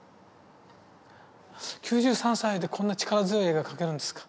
９３歳でこんな力強い絵が描けるんですか。